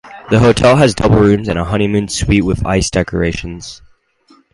The hotel has double rooms and a honeymoon suite with ice decorations.